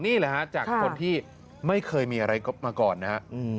นี่แหละฮะจากคนที่ไม่เคยมีอะไรมาก่อนนะฮะ